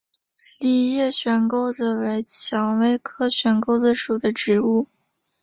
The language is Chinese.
梨叶悬钩子为蔷薇科悬钩子属的植物。